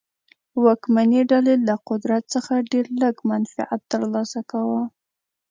واکمنې ډلې له قدرت څخه ډېر لږ منفعت ترلاسه کاوه.